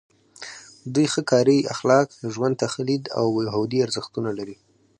دوی ښه کاري اخلاق، ژوند ته ښه لید او یهودي ارزښتونه لري.